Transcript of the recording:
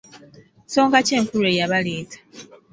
Nsonga ki enkulu eyabaleeta?